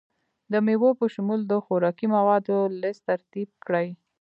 د میوو په شمول د خوراکي موادو لست ترتیب کړئ.